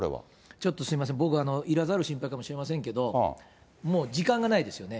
ちょっとすみません、僕は、いらざる心配かもしれませんが、もう時間がないですよね。